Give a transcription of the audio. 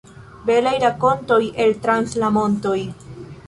Belaj rakontoj el trans la montoj.